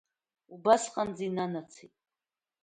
Убасҟаанӡа инанацет.